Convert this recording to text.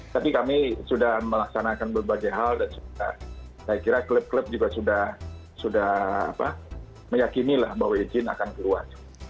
tapi kami sudah melaksanakan berbagai hal dan saya kira klub klub juga sudah meyakini lah bahwa izin akan keluar